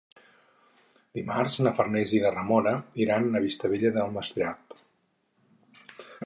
Dimarts na Farners i na Ramona iran a Vistabella del Maestrat.